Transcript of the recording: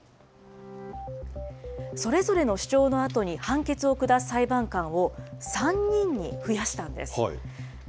それぞれの主張のあとに判決を下す裁判官を３人に増やしたんです。